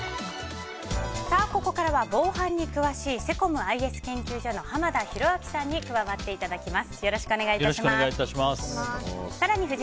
ここからは防犯に詳しいセコムＩＳ研究所の濱田宏彰さんに加わっていただきます。